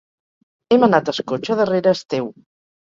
He menat es cotxe darrera es teu.